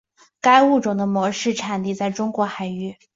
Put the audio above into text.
该物种的模式产地在中国海域。